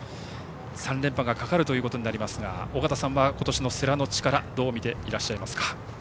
３連覇がかかるということですが尾方さんは、今年の世羅の力どうみていらっしゃいますか？